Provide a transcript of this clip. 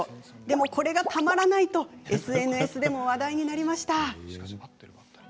これがまたたまらないとＳＮＳでも話題になりました。